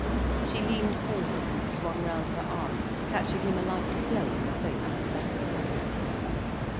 She leaned forward and swung round her arm, catching him a light blow on the face with the back of her hand.